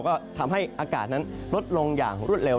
ก็ทำให้อากาศนั้นลดลงอย่างรวดเร็